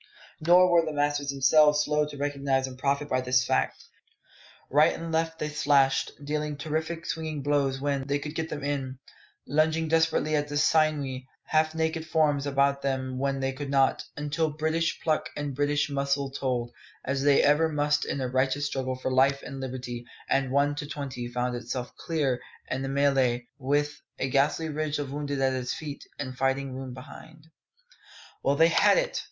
Nor were the masters themselves slow to recognise and profit by this fact. Right and left they slashed, dealing terrific swinging blows when, they could get them in, lunging desperately at the sinewy, half naked forms about them when they could not, until British pluck and British muscle told, as they ever must in a righteous struggle for life and liberty, and One to twenty found itself clear of the mêlée, with a ghastly ridge of wounded at its feet, and fighting room behind. Well they had it!